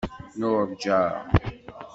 Nurǧa.